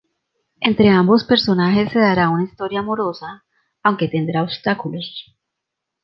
Entre ambos personajes se dará una historia amorosa, aunque tendrá obstáculos.